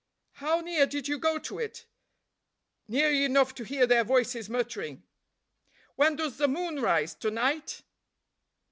"How near did you go to it?" "Near enough to hear their voices muttering." "When does the moon rise, to night?"